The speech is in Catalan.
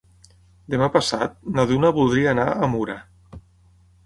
Demà passat na Duna voldria anar a Mura.